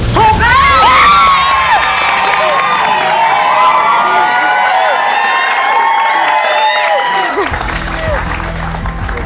ถูกแล้ว